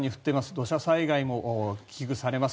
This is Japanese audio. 土砂災害も危惧されます。